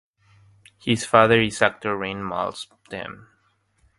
His father is actor Rein Malmsten.